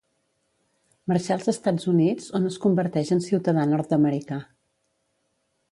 Marxà als Estats Units on es converteix en ciutadà nord-americà.